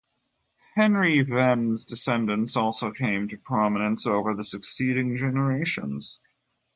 Henry Venn's descendants also came to prominence over the succeeding generations.